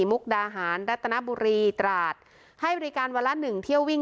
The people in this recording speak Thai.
มุกดาหารรัตนบุรีตราดให้บริการวันละหนึ่งเที่ยววิ่ง